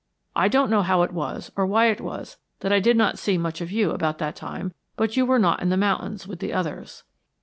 I don't know how it was or why it was that I did not see much of you about that time, but you were not in the mountains with the others."